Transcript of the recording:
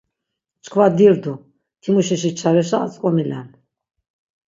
Çkva dirdu, timuşişi çareşa atzk̆omilen.